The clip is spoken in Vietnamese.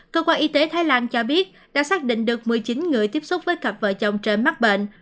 cơ quan y tế thái lan cho biết đã xác định được một mươi chín người tiếp xúc với cặp vợ chồng trẻ mắc bệnh